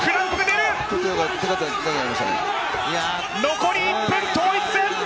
残り１分、統一戦。